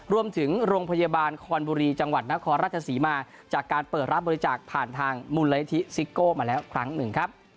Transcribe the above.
รวมถึงโรงพยาบาลคอนบุรีจังหวัดนครราชศรีมาจากการเปิดรับบริจาคผ่านทางมูลนิธิซิโก้มาแล้วครั้งหนึ่งครับ